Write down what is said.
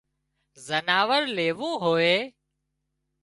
زناور ليوون هوئي